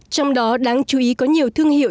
trong đó đáng chú ý có nhiều thương hiệu